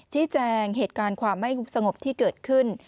แจ้งเหตุการณ์ความไม่สงบที่เกิดขึ้น